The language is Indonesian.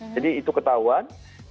jadi itu ketahuan